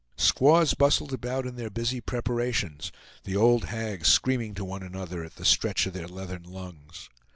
Squaws bustled about in their busy preparations, the old hags screaming to one another at the stretch of their leathern lungs.